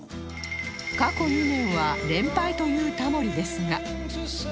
過去２年は連敗というタモリですが